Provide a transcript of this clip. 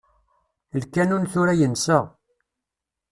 Lkanun tura yensa.